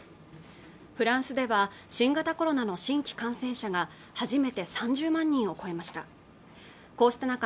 フランスでは新型コロナの新規感染者が初めて３０万人を超えました